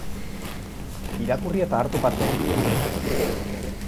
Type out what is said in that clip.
Irakurri eta hartu parte!